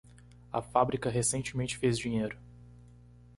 A fábrica recentemente fez dinheiro